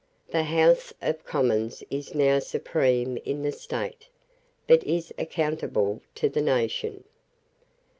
The House of Commons is now supreme in the State, but is accountable to the nation.